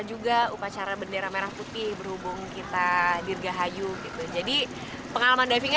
juga upacara bendera merah putih berhubung kita dirgahayu gitu jadi pengalaman divingnya